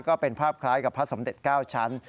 ก็เป็นภาพคล้ายกับพระสมเด็จ๙ชั้น